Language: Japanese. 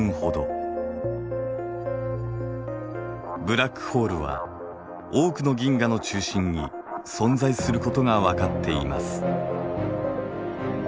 ブラックホールは多くの銀河の中心に存在することがわかっています。